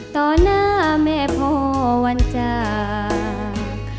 ต่อหน้าแม่พ่อวันจาก